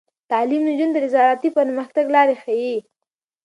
تعلیم نجونو ته د زراعتي پرمختګ لارې ښيي.